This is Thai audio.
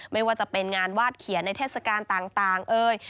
ไม่ว่าจะเป็นงานวาดเขียนในเทศกาลต่างเอ่ย